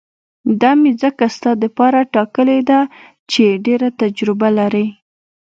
دا مې ځکه ستا دپاره ټاکلې ده چې ډېره تجربه لري.